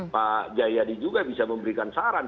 pak jaiad roam comber juga bisa memberikan saran